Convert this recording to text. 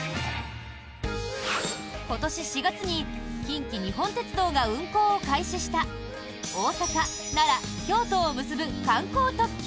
今年４月に近畿日本鉄道が運行を開始した大阪、奈良、京都を結ぶ観光特急